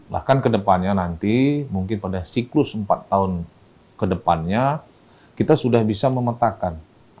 bahkan kedepannya nanti mungkin pada siklus empat tahun ke depannya kita sudah bisa memetakan